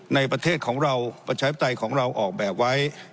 ในประเทศของเราประชาธิปไตยของเราออกแบบไว้